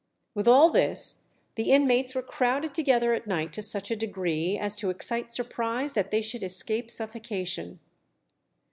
With all this, the inmates were crowded together at night to such a degree as to excite surprise that they should escape suffocation.